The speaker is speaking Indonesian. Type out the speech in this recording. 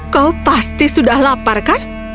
kau pasti sudah lapar kan